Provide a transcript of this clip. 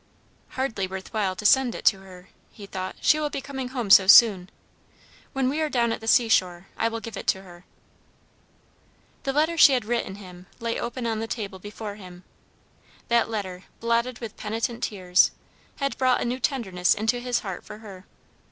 "Hardly worth while to send it to her," he thought. "She will be coming home so soon. When we are down at the seashore, I will give it to her." The letter she had written him lay open on the table before him. That letter, blotted with penitent tears, had brought a new tenderness into his heart for her.